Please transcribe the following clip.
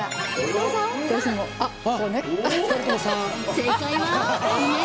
正解は。